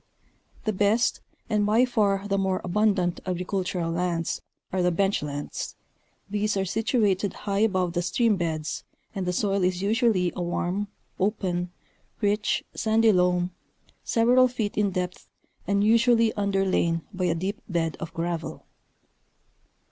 The best, and by far the more abundant agricultural lands, are the "bench lands," these are situated high above the stream beds and the soil is usually a warm open, rich, sandy loam, several feet in depth and usually underlain by a deep bed of gravel.